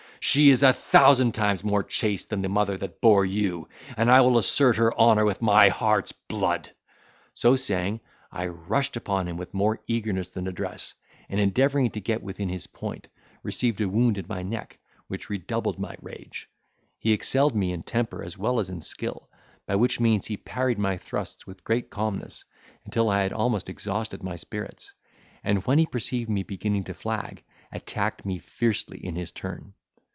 She is a thousand times more chaste than the mother that bore you; and I will assert her honour with my heart's blood!" So saying, I rushed upon him with more eagerness than address, and, endeavouring to get within his point, received a wound in my neck, which redoubled my rage. He excelled me in temper as well as in skill, by which means he parried my thrusts with great calmness, until I had almost exhausted my spirits; and, when he perceived me beginning to flag, attacked me fiercely in his turn.